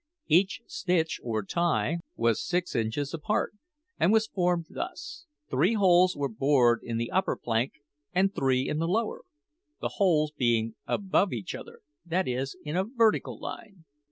Each stitch or tie was six inches apart, and was formed thus: Three holes were bored in the upper plank and three in the lower, the holes being above each other that is, in a vertical line.